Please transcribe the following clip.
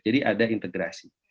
jadi ada integrasi